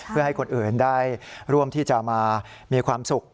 เพื่อให้คนอื่นได้ร่วมที่จะมามีความสุข